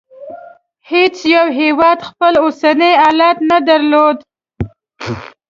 هېڅ یو هېواد خپل اوسنی حالت نه درلود.